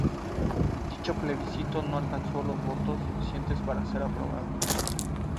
Dicho plebiscito no alcanzó los votos suficientes para ser aprobado.